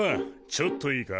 ちょっといいか。